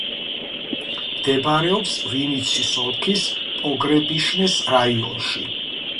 მდებარეობს ვინიცის ოლქის პოგრებიშჩეს რაიონში.